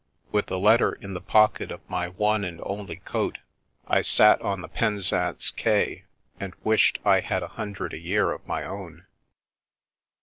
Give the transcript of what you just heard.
With the letter in the pocket of my one and only coat I sat on Penzance quay and wished I had a hundred a year of my own.